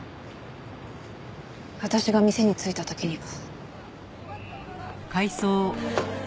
私が店に着いた時には。